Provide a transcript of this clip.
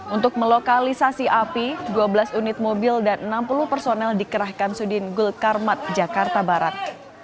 untuk melokalisasi api dua belas unit mobil dan enam puluh personel dikerahkan sudin gul karmat jakarta barat